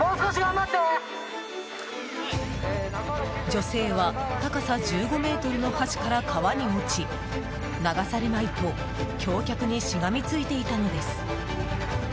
女性は高さ１５ｍの橋から川に落ち流されまいと橋脚にしがみついていたのです。